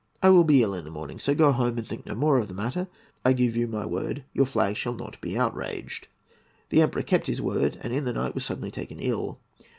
I will be ill in the morning; so go home and think no more of the matter. I give you my word, your flag shall not be outraged.' The Emperor kept his word, and in the night was taken suddenly ill.